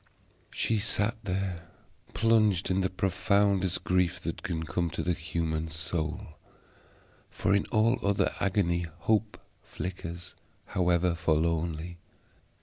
She sat there plunged in the profoundest grief that can come to the human soul, for in all other agony hope flickers, however forlornly.